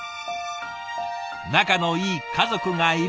仲のいい家族がいる。